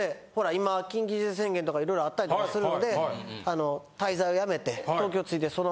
今緊急事態宣言とか色々あったりとかするので滞在をやめて。